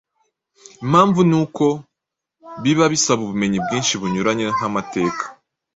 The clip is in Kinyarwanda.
Impamvu ni uko biba bisaba ubumenyi bwinshi bunyuranye nk’amateka,